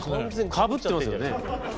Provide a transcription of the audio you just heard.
かぶってますよね。